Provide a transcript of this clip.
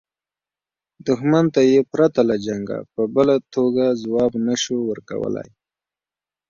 دښمنۍ ته یې پرته له جنګه په بله توګه ځواب نه شو ورکولای.